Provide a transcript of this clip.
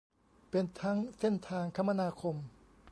เป็นทั้งเส้นทางคมนาคม